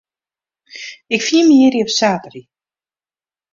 Ik fier myn jierdei op saterdei.